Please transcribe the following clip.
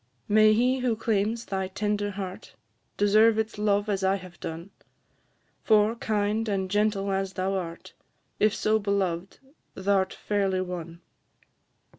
May he who claims thy tender heart, Deserve its love as I have done! For, kind and gentle as thou art, If so beloved, thou 'rt fairly won.